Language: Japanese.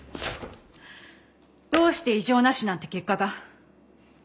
どうして異常なしなんて結果が？